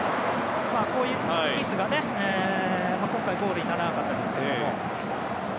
こういうミスで今回、ゴールにならなかったんですが。